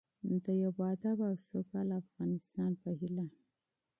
د یو باادبه او سوکاله افغانستان په هیله.